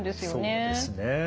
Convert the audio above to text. そうですね。